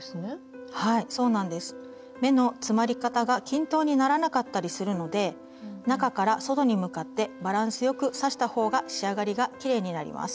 目の詰まり方が均等にならなかったりするので中から外に向かってバランスよく刺したほうが仕上がりがきれいになります。